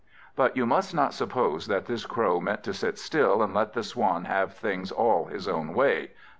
But you must not suppose that this Crow meant to sit still, and let the Swan have things all his own way.